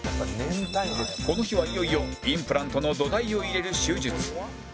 この日はいよいよインプラントの土台を入れる手術